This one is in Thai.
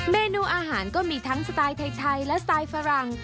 เมนูอาหารก็มีทั้งสไตล์ไทยและสไตล์ฝรั่ง